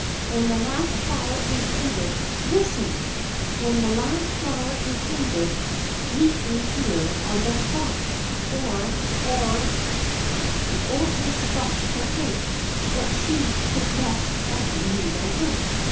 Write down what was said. When the last flower is faded — listen !— when the last flower is faded, meet me here on this spot — or — or "— The old Witch stopped to think what she could best threaten Nina with.